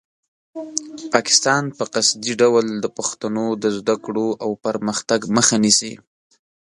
پاکستان په قصدي ډول د پښتنو د زده کړو او پرمختګ مخه نیسي.